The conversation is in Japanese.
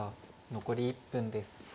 残り１分です。